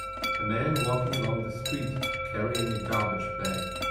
A man walking along the street carrying a garbage bag.